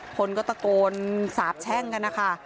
คนก็ตะโกนสาบแช่งกันนะคะ